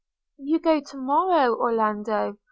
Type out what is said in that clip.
'You go to morrow, Orlando?'